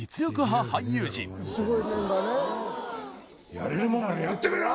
やれるもんならやってみろ！